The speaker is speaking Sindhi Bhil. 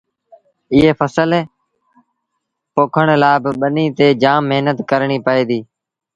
ايئي ڦسل پوکڻ لآ با ٻنيٚ تي جآم مهنت ڪرڻيٚ پئي ديٚ۔